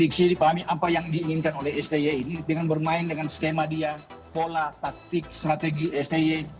saya dipahami apa yang diinginkan oleh sti ini dengan bermain dengan skema dia pola taktik strategi sti